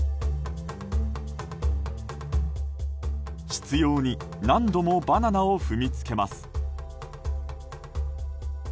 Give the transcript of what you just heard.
執拗に何度もバナナを踏みつけます。